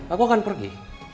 aku akan pergi